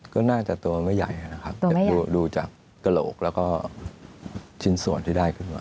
ก็น่าจะตัวไม่ใหญ่นะครับแต่ดูจากกระโหลกแล้วก็ชิ้นส่วนที่ได้ขึ้นมา